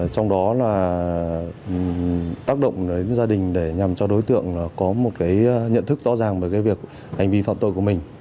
trong đó là tác động gia đình để nhằm cho đối tượng có một nhận thức rõ ràng về việc hành vi phạm tội của mình